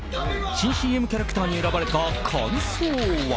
新ＣＭキャラクターに選ばれた感想は。